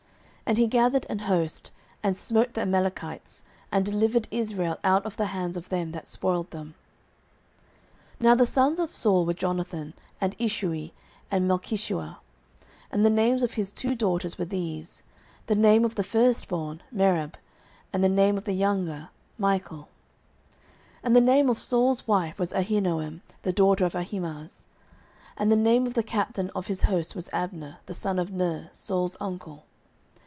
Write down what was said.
09:014:048 And he gathered an host, and smote the Amalekites, and delivered Israel out of the hands of them that spoiled them. 09:014:049 Now the sons of Saul were Jonathan, and Ishui, and Melchishua: and the names of his two daughters were these; the name of the firstborn Merab, and the name of the younger Michal: 09:014:050 And the name of Saul's wife was Ahinoam, the daughter of Ahimaaz: and the name of the captain of his host was Abner, the son of Ner, Saul's uncle.